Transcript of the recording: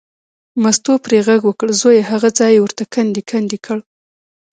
مستو پرې غږ کړ، زویه هغه ځای یې ورته کندې کندې کړ.